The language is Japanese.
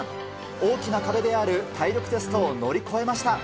大きな壁である体力テストを乗り越えました。